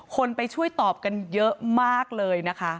คนไปช่วยตอบกันเยอะมากเลยนะคะ